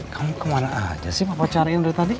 kamu kemana aja sih papa cariin dari tadi